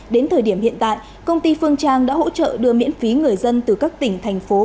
đến thời điểm hiện tại công ty phương trang đã hỗ trợ đưa miễn phí người dân từ các tỉnh thành phố